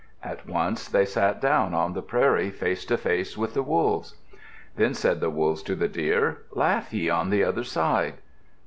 At once they sat down on the prairie face to face with the Wolves. Then said the Wolves to the Deer, "Laugh ye on the other side."